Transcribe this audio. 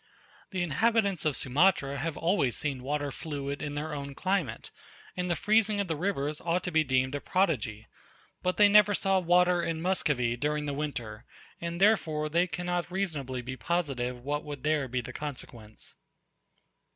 The inhabitants of Sumatra have always seen water fluid in their own climate, and the freezing of their rivers ought to be deemed a prodigy: But they never saw water in Muscovy during the winter; and therefore they cannot reasonably be positive what would there be the consequence.